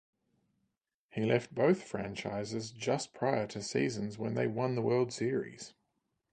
He left both franchises just prior to seasons when they won the World Series.